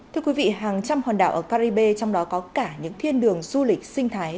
thưa quý vị hàng trăm hòn đảo ở caribe trong đó có cả những thiên đường du lịch sinh thái